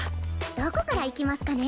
どこから行きますかね。